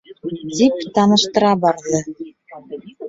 -тип таныштыра барҙы.